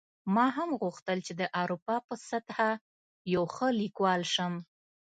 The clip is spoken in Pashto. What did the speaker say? ما هم غوښتل چې د اروپا په سطحه یو ښه لیکوال شم